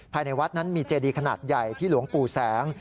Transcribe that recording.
ภายในวัดนั้นมีเจดีขนาดใหญ่ที่หลวงปู่แสง